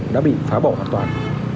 đã bị phá bỏ an toàn